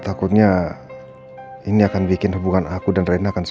sekarang saya masih bawa dirinya ke desa